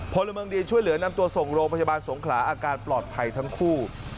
พลเมืองดีช่วยเหลือนำตัวส่งโรงพยาบาลสงขลาอาการปลอดภัยทั้งคู่